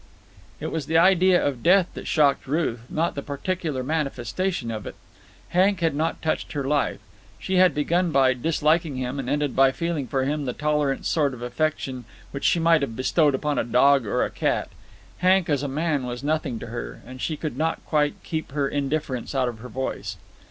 It was the idea of death that shocked Ruth, not the particular manifestation of it. Hank had not touched her life. She had begun by disliking him and ended by feeling for him the tolerant sort of affection which she might have bestowed upon a dog or a cat. Hank as a man was nothing to her, and she could not quite keep her indifference out of her voice.